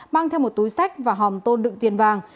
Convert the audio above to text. mang theo một túi sách và hòm tôn đựng tiền vàng